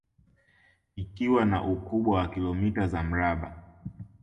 Ikiwa na ukubwa wa kilomita za mraba